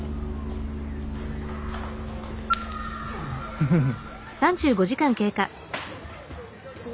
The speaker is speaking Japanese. フフフッ。